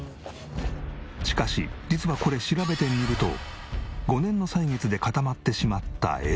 しかし実はこれ調べてみると５年の歳月で固まってしまった塩分。